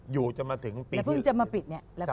อยู่จนมาถึงแล้วพึ่งจะมาปิด